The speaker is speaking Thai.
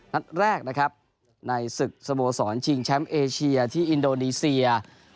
นัดแรกนะครับในศึกสโมสรชิงแชมป์เอเชียที่อินโดนีเซีย